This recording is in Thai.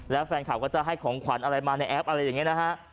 แล้วแฟนคลับก็จะให้ของขวัญอะไรมาในแอปอะไรอย่างนี้นะฮะ